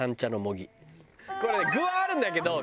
これね具はあるんだけど皮もね。